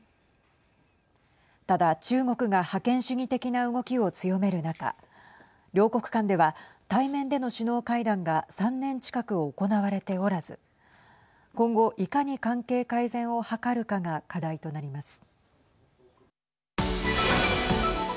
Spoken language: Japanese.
ただ、中国が覇権主義的な動きを強める中両国間では、対面での首脳会談が３年近く行われておらず今後、いかに関係改善を図るかが課題となります。